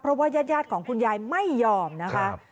เพราะว่ายาดของคุณยายไม่ยอมนะคะ